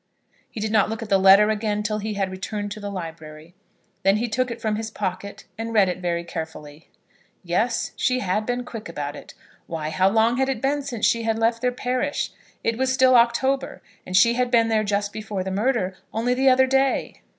He did not look at the letter again till he had returned to the library. Then he took it from his pocket, and read it very carefully. Yes, she had been quick about it. Why; how long had it been since she had left their parish? It was still October, and she had been there just before the murder only the other day!